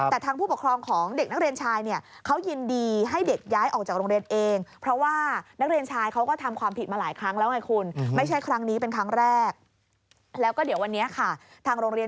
แต่ทางผู้ปกครองของเด็กนักเรียนชายเนี่ย